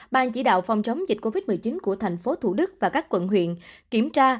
ban chỉ đạo phòng chống dịch covid một mươi chín của thành phố thủ đức và các quận huyện kiểm tra